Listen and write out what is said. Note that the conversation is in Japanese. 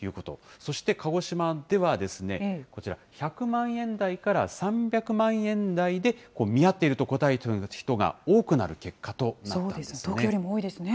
そして鹿児島ではこちら、１００万円台から３００万円台で、見合っていると答えている人が多くなる結果となったんですね。